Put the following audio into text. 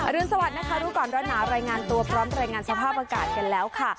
รุนสวัสดินะคะรู้ก่อนร้อนหนาวรายงานตัวพร้อมรายงานสภาพอากาศกันแล้วค่ะ